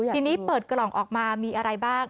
ทีนี้เปิดกล่องออกมามีอะไรบ้าง